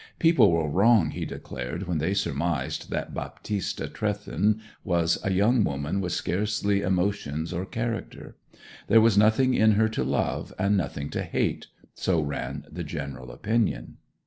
People were wrong, he declared, when they surmised that Baptista Trewthen was a young woman with scarcely emotions or character. There was nothing in her to love, and nothing to hate so ran the general opinion.